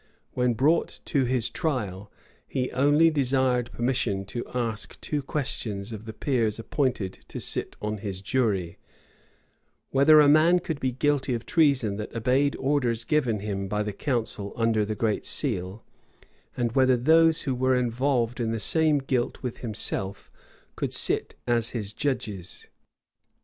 When brought to his trial, he only desired permission to ask two questions of the peers appointed to sit on his jury; whether a man could be guilty of treason that obeyed orders given him by the council under the great seal; and whether those who were involved in the same guilt with himself could sit as his judges.